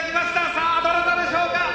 「さあどなたでしょうか？」